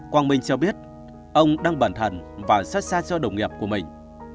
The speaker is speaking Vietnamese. quang minh cho biết ông đang bẩn thận và xót xa cho đồng nghiệp của mình